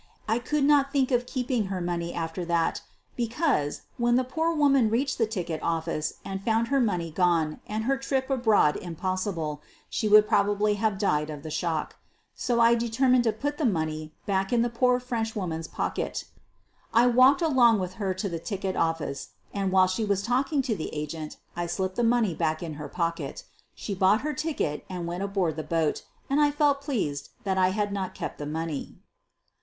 I could not think of keeping her money after that, because, when the poor wom an reached the ticket office and found her money gone and her trip abroad impossible, she would prob ably have died of the shock. So I determined to put $ the money back in the poor Freneh woman's pocket I walked along with her to the ticket office and, while she was talking to the agent, I slipped the money back in her pocket. She bought her ticket and went aboard the boat and I felt pleased that I had not kept the money.